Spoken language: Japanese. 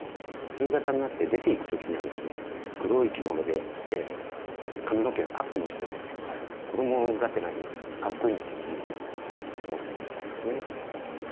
夕方になって出ていく時にはですね黒い着物で髪の毛をアップにしてですね子供がてらにかっこいいなっていうふうに思ってましたですね。